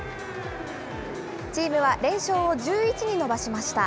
チームは連勝を１１に伸ばしました。